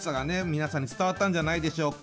皆さんに伝わったんじゃないでしょうか。